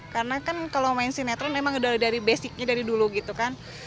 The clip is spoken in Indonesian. karena kan kalau main sinetron memang dari basicnya dari dulu gitu kan